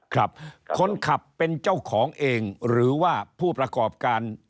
ครับคนขับเป็นเจ้าของเองหรือว่าผู้ประกอบการ